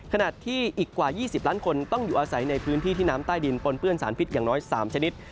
ขณะที่อีกกว่า๒๐ล้านคนต้องอยู่อาศัยในพื้นที่ที่น้ำใต้ดินปนเปื้อนสารพิษอย่างน้อย๓ชนิด